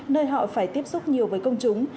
nơi họ phải tiếp xúc nhiều với công chúng